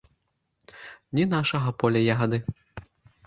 Не нашага поля ягады.